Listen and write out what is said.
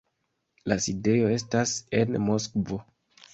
La sidejo estas en Moskvo.